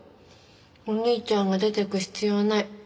お兄ちゃんが出ていく必要ない。